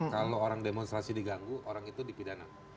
kalau orang demonstrasi diganggu orang itu dipidana